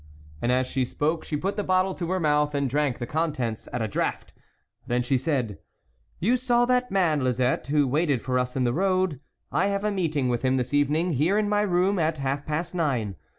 And as she spoke, she put the bottle to her mouth and drank the contents at a draught. Then she said :" You saw that man, Lisette, who waited for us in the road ; I have a meet ing with him this evening, here in my room, at half past nine.